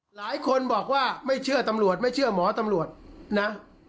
หลายคนบอกว่าไม่เชื่อตำรวจไม่เชื่อหมอตำรวจนะ